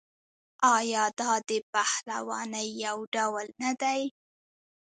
آیا دا د پهلوانۍ یو ډول نه دی؟